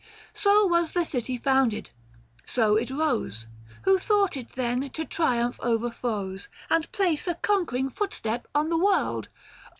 So was the city founded, so it rose : Who thought it then, to triumph over foes, 995 And place a conquering footstep on the world